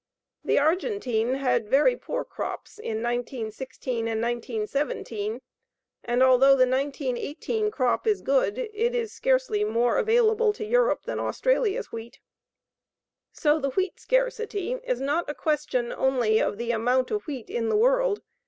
The Argentine had very poor crops in 1916 and 1917, and although the 1918 crop is good, it is scarcely more available to Europe than Australia's wheat. SO THE WHEAT SCARCITY IS NOT A QUESTION ONLY OF THE AMOUNT OF WHEAT IN THE WORLD.